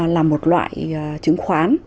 là một loại chứng khoán